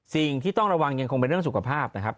สิ่งที่ต้องระวังยังคงเป็นเรื่องสุขภาพนะครับ